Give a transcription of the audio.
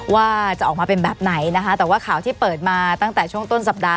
ว่าจะออกมาเป็นแบบไหนนะคะแต่ว่าข่าวที่เปิดมาตั้งแต่ช่วงต้นสัปดาห